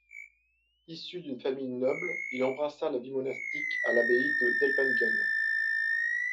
Issu d'une famille noble, il embrassa la vie monastique à l'abbaye d'Ellwangen.